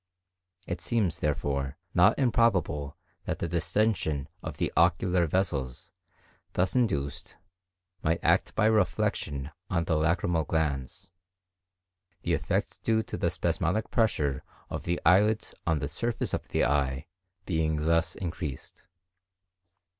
It seems, therefore, not improbable that the distension of the ocular vessels, thus induced, might act by reflection on the lacrymal glands—the effects due to the spasmodic pressure of the eyelids on the surface of the eye being thus increased.